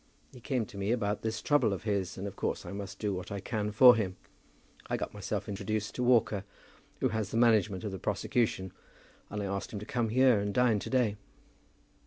He came to me about this trouble of his, and of course I must do what I can for him. I got myself introduced to Walker, who has the management of the prosecution, and I asked him to come here and dine to day."